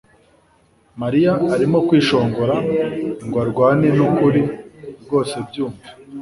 mariya arimo kwishongora ngo arwane nukuri rwose byumve